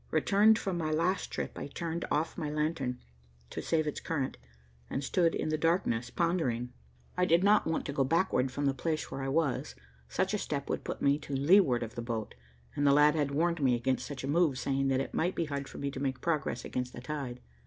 Returned from my last trip, I turned off my lantern, to save its current, and stood in the darkness pondering. I did not want to go backward from the place where I was. Such a step would put me to leeward of the boat, and the lad had warned me against such a move, saying that it might be hard for me to make progress against the tide.